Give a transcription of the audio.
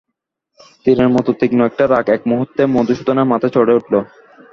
তীরের মতো তীক্ষ্ণ একটা রাগ এক মুহূর্তে মধুসূদনের মাথায় চড়ে উঠল।